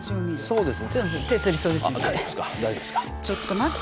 そうです。